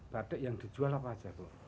batik yang dijual apa saja bu